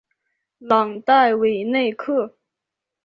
朗代韦内克。